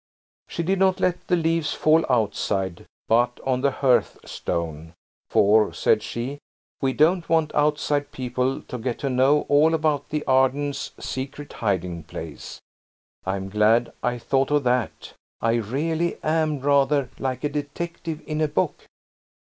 She did not let the leaves fall outside, but on the hearthstone, "for," said she, "we don't want outside people to get to know all about the Ardens' secret hiding place. I'm glad I thought of that. I really am rather like a detective in a book."